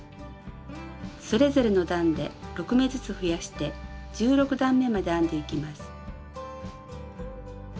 それぞれの段で６目ずつ増やして１６段めまで編んでいきます。